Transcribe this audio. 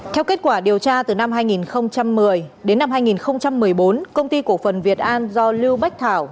theo kết quả điều tra từ năm hai nghìn một mươi đến năm hai nghìn một mươi bốn công ty cổ phần việt an do lưu bách thảo